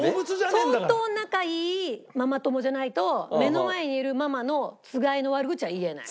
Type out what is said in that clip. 相当仲いいママ友じゃないと目の前にいるママのつがいの悪口は言えない。